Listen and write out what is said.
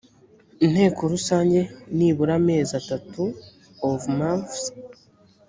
inteko rusange nibura amezi atatu of months